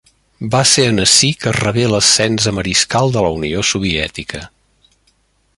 Va ser en ací que rebé l'ascens a Mariscal de la Unió Soviètica.